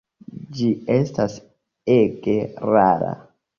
Ĝi estas ege rara.